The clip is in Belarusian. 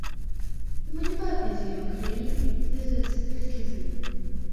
Таму любая падзея ў краіне звязваецца толькі з ім.